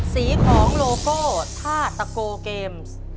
สีของโลโก้ท่าตะโกเกมส์